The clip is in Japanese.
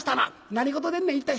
「何事でんねん一体」。